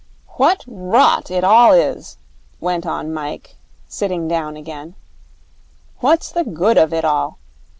'What rot it all is!' went on Mike, sitting down again. 'What's the good of it all?